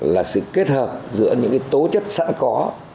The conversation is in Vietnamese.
là sự kết hợp giữa những tố chất sẵn có